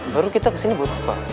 baru kita kesini buat apa